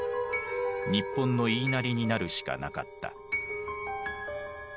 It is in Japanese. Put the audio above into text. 日本の言いなりになるしかなかった。